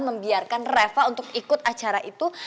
membiarkan reva untuk ikut acara itu